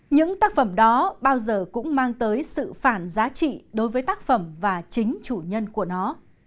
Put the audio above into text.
những tác phẩm đó bao giờ cũng mang tới sự phản giá trị đối với tác phẩm và chính chủ nhân của nó